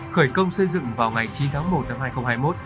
khởi công xây dựng vào ngày chín tháng một năm hai nghìn hai mươi một